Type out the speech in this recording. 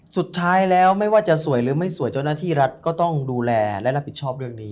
สุดท้ายแล้วไม่ว่าจะสวยหรือไม่สวยเจ้าหน้าที่รัฐก็ต้องดูแลและรับผิดชอบเรื่องนี้